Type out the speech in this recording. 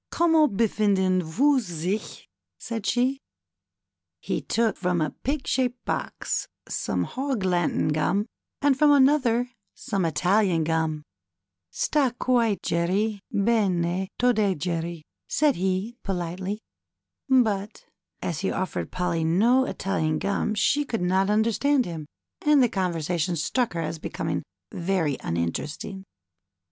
Comment hefinden vous sichf said she. He took from a pig shaped box some Hog Latin gum, and from another some Italian gum, Sta guite gerry bene to day gerry^'' said he, politely ; but as he offered Polly no Italian gum she could not understand him, and the conversation struck her as becoming very uninteresting.